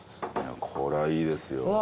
これはいいですよ。